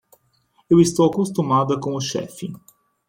Eu estou acostumada com o chefe.